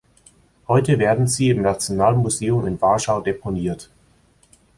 Heute werden sie im Nationalmuseum in Warschau deponiert.